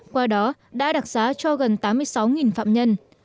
qua đó đã đặc xá cho gần tám mươi sáu phạm nhân